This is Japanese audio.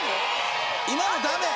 今のダメ？